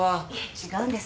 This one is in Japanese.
違うんです。